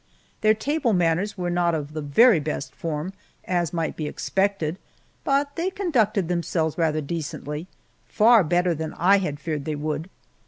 Their table manners were not of the very best form, as might be expected, but they conducted themselves rather decently far better than I had feared they would.